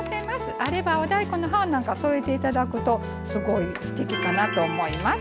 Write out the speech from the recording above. あれば、お大根の葉なんかを添えていただきますとすごいすてきかなと思います。